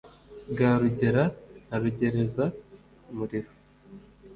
bwa rugera na rugereza muriro.